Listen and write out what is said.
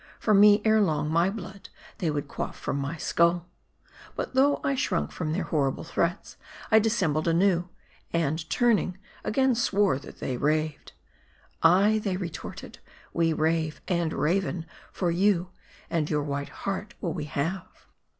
For me, ere long, my blood they would quaff from my skull. But though I shrunk from their horrible threats, I dis sembled anew ; and turning, again swore that they raved. " Ay &' they retorted, " we rave and raven for you ; and your white heart will we have